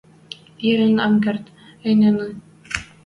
Ӹлен ам керд, ӹнянӹ.